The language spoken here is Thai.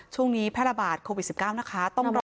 ช่วงนี้แพร่ระบาดโควิด๑๙นะคะ